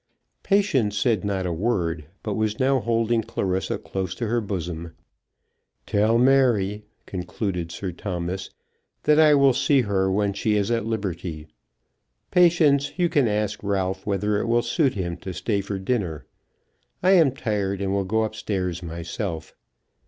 Patience said not a word, but was now holding Clarissa close to her bosom. "Tell Mary," continued Sir Thomas, "that I will see her when she is at liberty. Patience, you can ask Ralph whether it will suit him to stay for dinner. I am tired and will go up stairs myself."